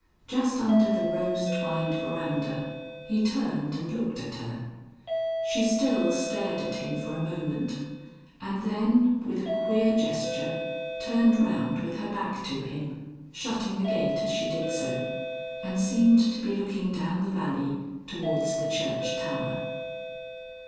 Just under the rose twined verandah he turned and looked at her. She still stared at him for a moment, and then with a queer gesture turned round with her back to him, shutting the gate as she did so, and seemed to be looking down the valley towards the church tower.